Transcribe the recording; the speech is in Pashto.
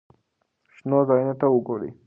شنو ځایونو ته وګورئ.